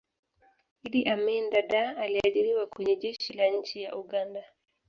iddi amin dadaa aliajiriwa Kwenye jeshi la nchi ya uganda